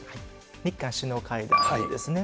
日韓首脳会談ですね。